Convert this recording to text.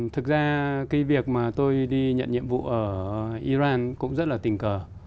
thực ra cái việc mà tôi đi nhận nhiệm vụ ở iran cũng rất là tình cờ